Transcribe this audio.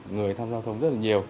người tham gia giao thông tỉnh